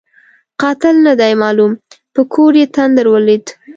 قاتل نه دی معلوم؛ په کور یې تندر ولوېد.